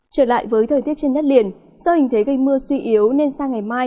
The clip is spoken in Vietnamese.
trở lại với thời tiết trên đất liền do hình thế gây mưa suy yếu nên sang ngày mai